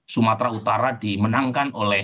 sumatera utara dimenangkan oleh